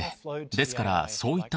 ですからそういった。